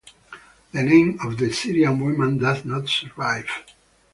The name of the Syrian woman does not survive.